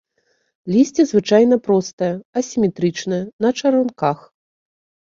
Лісце звычайна простае, асіметрычнае, на чаранках.